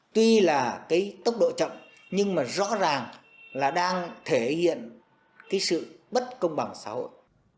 tuy là cái tốc độ chậm nhưng mà rõ ràng là đang thể hiện cái sự bất công bằng xã hội